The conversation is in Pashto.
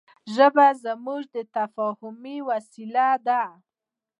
ژبه زموږ د مفاهيمي وسیله ده.